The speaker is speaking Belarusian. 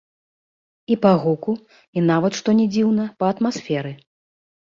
І па гуку, і нават, што не дзіўна, па атмасферы.